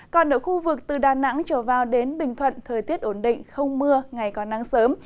còn ở khu vực từ đà nẵng trở vào đến bình thuận thời tiết ổn định không mưa ngày còn nắng sớm